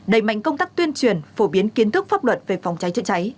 đẩy mạnh công tác tuyên truyền phổ biến kiến thức pháp luật về phòng cháy chữa cháy